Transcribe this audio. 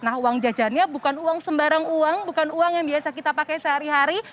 nah uang jajannya bukan uang sembarang uang bukan uang yang biasa kita pakai sehari hari